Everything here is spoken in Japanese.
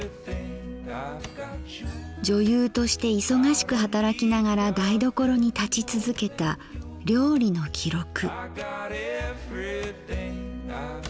女優として忙しく働きながら台所に立ち続けた料理の記録。